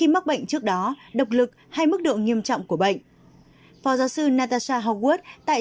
mắc bệnh trước đó độc lực hay mức độ nghiêm trọng của bệnh phó giáo sư natasha hogwarts tại